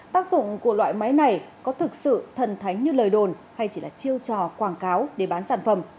tác dụng của loại máy này có thực sự thần thánh như lời đồn hay chỉ là chiêu trò quảng cáo để bán sản phẩm